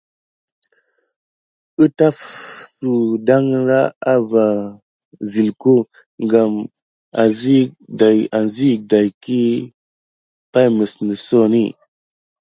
Ətafsu ɗanla à va silko gam asiyik daki naku neku na pay.